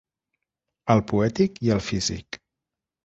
El poètic i el físic.